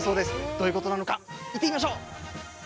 どういうことなのか行ってみましょう。